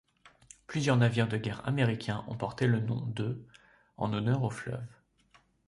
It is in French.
Plusieurs navires de guerre américains ont porté le nom de en honneur au fleuve.